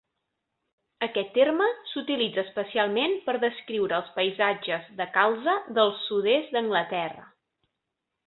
Aquest terme s"utilitza especialment per descriure els paisatges de calze del sud-est d"Anglaterra.